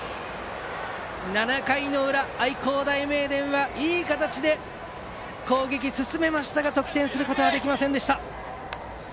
７回裏、愛工大名電はいい形で攻撃を進めましたが得点することはできませんでした。